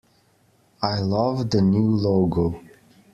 I love the new logo!